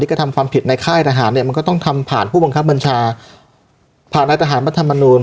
กระทำความผิดในค่ายทหารเนี่ยมันก็ต้องทำผ่านผู้บังคับบัญชาผ่านนายทหารรัฐมนูล